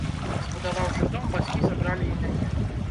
Збудаваўшы дом, бацькі забралі і мяне.